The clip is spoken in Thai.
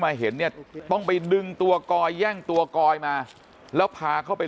เห็นเนี่ยต้องไปดึงตัวกอยแย่งตัวกอยมาแล้วพาเข้าไป